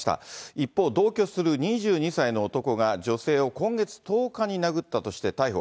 一方、同居する２２歳の男が、女性を今月１０日に殴ったとして逮捕。